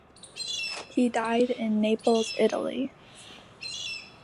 He died in Naples, Italy.